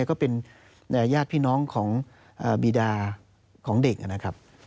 ก็เป็นญาติพี่น้องของบีดาของเด็กนะครับ